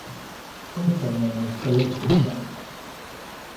Also known as ballistic light.